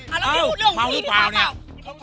อ้าวเมาหรือเปล่าเนี่ย